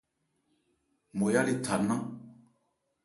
Nmɔya 'le tha nnán.